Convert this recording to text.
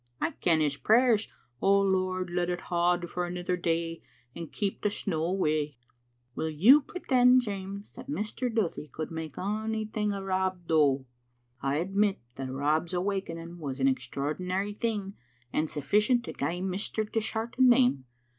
I ken his prayers, 'O Lord, let it haud for anither day, and keep the snaw awa*. ' Will you pretend, Jeames, that Mr. Duthie could make ony thing o* Rob Dow?" " I admit that Rob's awakening was an extraordinary thing, and sufficient to gie Mr. Dishart a name.